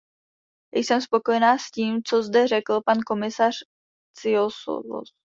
Jsem spokojena s tím, co zde řekl pan komisař Cioloş.